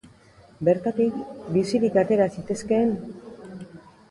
Bertatik bizirik atera zitezkeen?